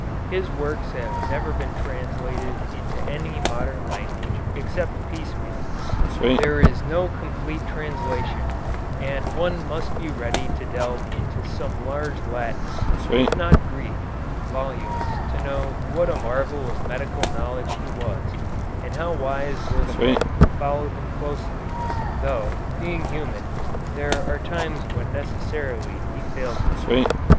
His works have never been translated into any modern language except piecemeal, there is no complete translation, and one must be ready to delve into some large Latin, if not Greek, volumes to know what a marvel of medical knowledge he was, and how wise were the men who followed him closely, though, being human, there are times when necessarily he failed them.